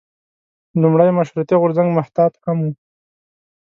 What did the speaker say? لومړی مشروطیه غورځنګ محتاط هم و.